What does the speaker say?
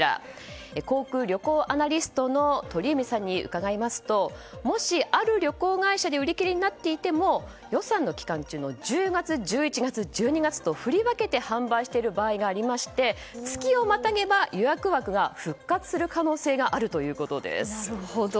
航空・旅行アナリストの鳥海さんに伺いますともし、ある旅行会社で売り切れになっていても予算の期間中１０月、１１月、１２月と振り分けて販売している場合がありまして月をまたげば予約枠が復活する可能性がなるほど。